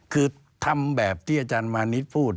คือทำแบบที่อาจารย์มานิดพูด